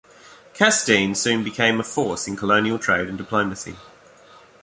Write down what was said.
Castine soon became a force in colonial trade and diplomacy.